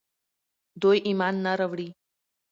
دوی ايمان نه راوړي